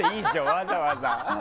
わざわざ。